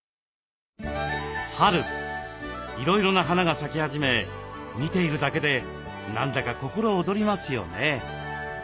春いろいろな花が咲き始め見ているだけで何だか心躍りますよね。